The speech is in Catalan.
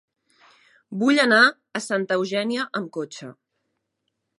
Vull anar a Santa Eugènia amb cotxe.